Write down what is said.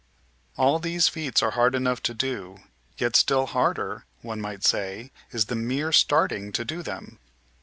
All these feats are hard enough to do, yet still harder, one might say, is the mere starting to do them.